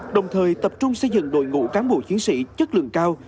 đồng thời tập trung xây dựng đội ngũ cán bộ chiến sĩ chất lượng cao